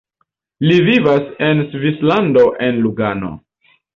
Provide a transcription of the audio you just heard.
Li vivas en Svislando en Lugano.